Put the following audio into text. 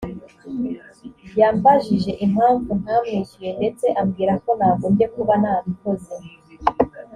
yambajije impamvu ntamwishyuye ndetse ambwira ko nagombye kuba nabikoze